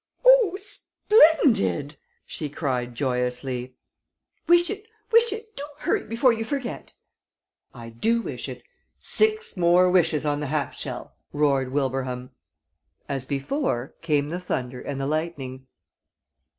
"Oh, splendid!" she cried, joyously. "Wish it wish it do hurry before you forget." "I do wish it six more wishes on the half shell!" roared Wilbraham. As before, came the thunder and the lightning.